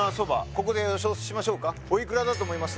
ここで予想しましょうかおいくらだと思います？